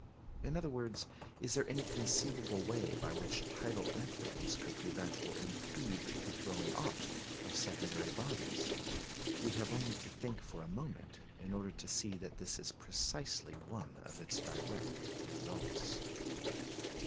In other words, is there any conceivable way by which tidal influence could prevent or impede the throwingoff of secondary bodies? We have only to think for a moment in order to see that this is precisely one of its direct results.